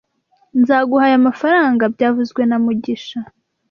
Nzaguha aya mafaranga byavuzwe na mugisha